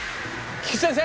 菊地先生！